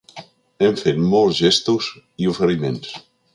Hem fet molts gests i oferiments.